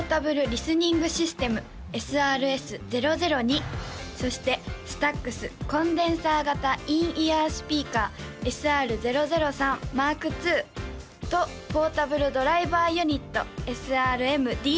リスニングシステムＳＲＳ−００２そしてＳＴＡＸコンデンサー型インイヤースピーカーＳＲ−００３ＭＫ２とポータブル・ドライバー・ユニットＳＲＭ−Ｄ１０です